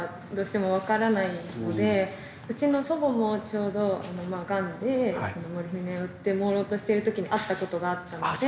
うちの祖母もちょうどがんでモルヒネを打って朦朧としてる時に会ったことがあったので。